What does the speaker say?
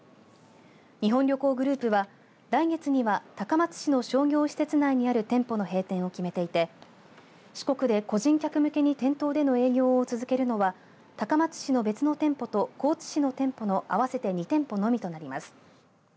日本旅行グループは来月には、高松市の商業施設内にある店舗の閉店を決めていて四国で個人客向けに店頭での営業を続けるのは高松市の別の店舗と高知市の店舗の合わせて２店舗のみとなります。